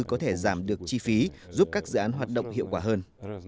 có thể giảm được chi phí giúp các dự án hoạt động hiệu quả hơn